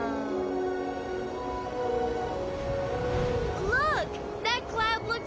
うわ。